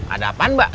ada apa mbak